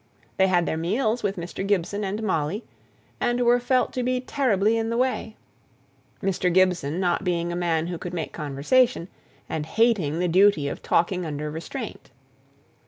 They had their meals with Mr. Gibson and Molly, and were felt to be terribly in the way; Mr. Gibson not being a man who could make conversation, and hating the duty of talking under restraint.